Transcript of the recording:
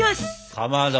かまど。